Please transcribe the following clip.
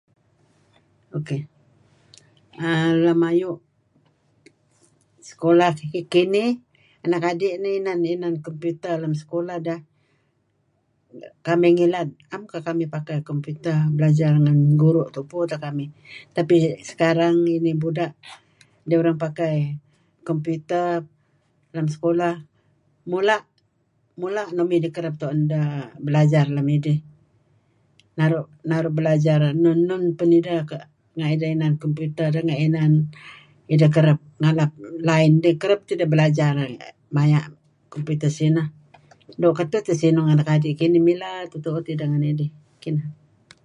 err lem ayu' sekulah suk kinih anak adi' inih inan computer lem sekulah deh . Kamih ngilad am kekamih pakai compuer belajar ngan guru' tupu teh kamih. Tetapi sekarang ini budak dia orang pakai computer lem sekulah. Mula' nuk midih kereb tu'en deh belajar lem idih. Naru' naru' belajar nun-nun pen ideh renga' ideh inan computer deh idah kereb ngalap line dih kereb tideh belajar maya' computer sineh. Doo' ketuh teh sinung anak adi' kinih mileh tu'uh-tu uh tideh ngan idih.